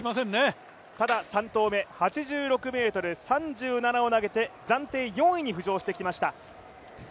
ただ３投目８６ｍ３７を投げて暫定４位に浮上してきました。